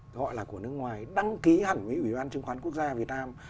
gọi là của nước ngoài đăng ký hẳn với ủy ban chứng khoán quốc gia việt nam